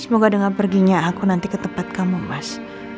semoga dengan perginya aku nanti ke tempat kamu mas